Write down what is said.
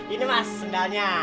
ini mas sendalnya